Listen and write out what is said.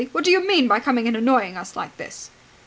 "What do you mean by coming and annoying us like this?"